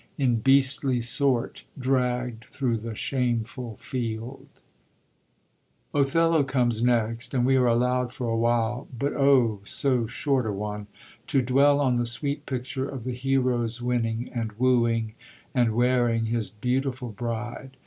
In boaatly sort, dragged through the shameful fieM. OtJiello comes next : and we are allowd for a while — but oh, so short a one — to dwell on the sweet picture of the hero's winning, and wooing, and wearing his beautiful bride.